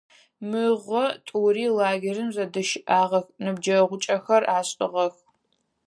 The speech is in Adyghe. Мыгъэ тӏури лагерым зэдыщыӏагъэх, ныбджэгъукӏэхэр ашӏыгъэх.